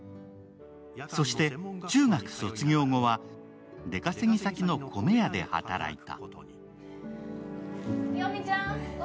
そして、中学卒業後は出稼ぎ先の米屋で働いた。